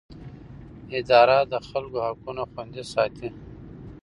اداره د خلکو حقونه خوندي ساتي.